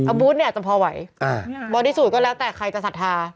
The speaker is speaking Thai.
ถ้าบูธเนี่ยอาจจะพอไหวบอดี้สูตรก็แล้วแต่ใครจะสัดทา